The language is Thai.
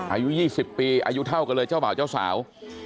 อายุ๒๐ปีอายุเท่ากันเลยเจ้าบ่าวเจ้าสาว